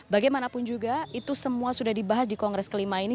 bagaimanapun juga itu semua sudah dibahas di kongres kelima ini